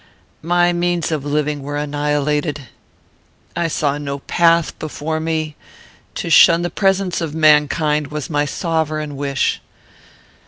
My means of living were annihilated. I saw no path before me. To shun the presence of mankind was my sovereign wish.